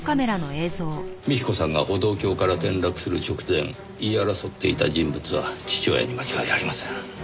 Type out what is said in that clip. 幹子さんが歩道橋から転落する直前言い争っていた人物は父親に間違いありません。